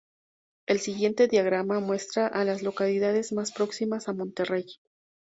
El siguiente diagrama muestra a las localidades más próximas a Monterey.